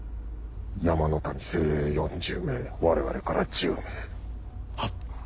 山の民精鋭４０名我々から１０名。は。